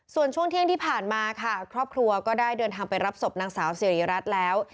ส่วนช่วงเที่ยงที่ผ่านมาค่ะครอบครัวก็ได้เดินทางไปรับศพนางสาวสิริรัตน์แล้ว